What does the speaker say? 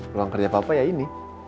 peluang kerja papa ya ini